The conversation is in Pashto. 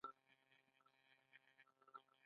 په لږ قوت ټینګ شي.